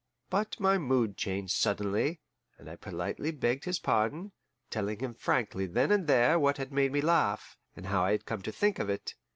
But my mood changed suddenly, and I politely begged his pardon, telling him frankly then and there what had made me laugh, and how I had come to think of it.